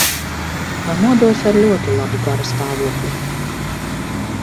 Pamodos ar ļoti labu garastāvokli.